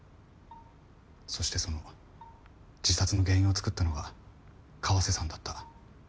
そしてその自殺の原因を作ったのが川瀬さんだった。